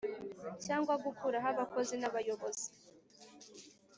Cyangwa gukuraho abakozi n abayobozi